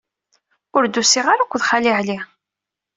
Ur d-usiɣ ara akked Xali Ɛli.